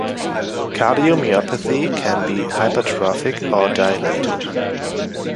Cardiomyopathy can be hypertrophic or dilated.